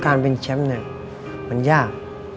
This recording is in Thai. การเป็นเชอมมันยาก